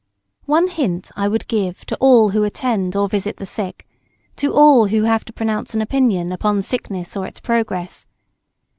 One hint I would give to all who attend or visit the sick, to all who have to pronounce an opinion upon sickness or its progress.